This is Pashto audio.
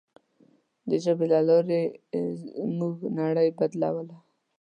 د ژبې له لارې موږ نړۍ بدلوله.